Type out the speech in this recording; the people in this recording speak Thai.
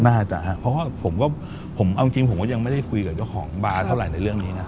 น่าจะผมก็ยังไม่ได้คุยกับเจ้าของบาร์เท่าไหร่ในเรื่องนี้นะ